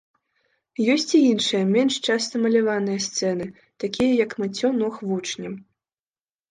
Ёсць і іншыя, менш часта маляваныя сцэны, такія як мыццё ног вучням.